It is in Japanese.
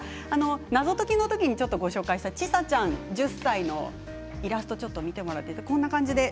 謎解きのときにご紹介したちさちゃん１０歳のイラストを見てもらっていいですか。